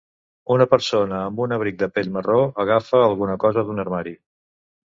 Una persona amb un abric de pell marró agafa alguna cosa d'un armari.